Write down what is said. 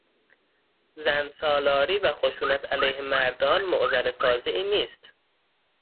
زن سالاری و خشونت علیه مردان معضل تازه ای نیست